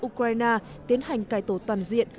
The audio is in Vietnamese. ukraine tiến hành cài tổ toàn diện